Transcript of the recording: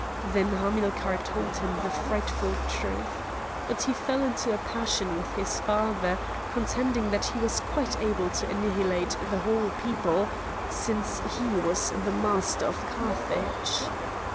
Then Hamilcar told him the frightful truth. But he fell into a passion with his father, contending that he was quite able to annihilate the whole people, since he was the master of Carthage.